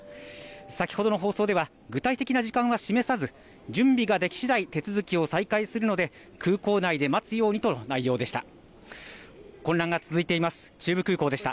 先ほどの放送では具体的な時間は示さず準備ができしだい、手続きを再開するので空港内で待つようにとの内容でした。